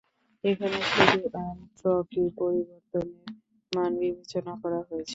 এখানে শুধু এনট্রপি পরিবর্তনের মান বিবেচনা করা হয়েছে।